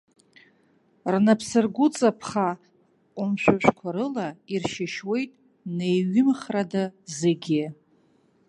Рнапсыргәыҵа ԥха ҟәымшәышәқәа рыла иршьышьуеит неиҩымхрада зегьы.